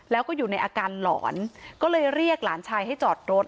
แล้วก็อยู่ในอาการหลอนก็เลยเรียกหลานชายให้จอดรถ